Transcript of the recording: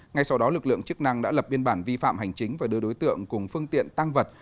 ngay sau đó lực lượng chức năng đã lập biên bản vi phạm hành chính và đưa đối tượng cùng phương tiện tăng vật